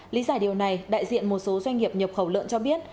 lý giải điều này đại diện một số doanh nghiệp nhập khẩu lợn cho biết